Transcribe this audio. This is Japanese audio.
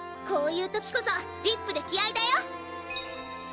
こういう時こそリップで気合いだよ！